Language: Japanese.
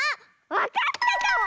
わかったかも！